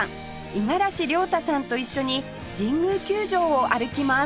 五十嵐亮太さんと一緒に神宮球場を歩きます